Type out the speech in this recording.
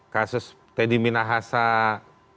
kasus teddy minahasa ketangkas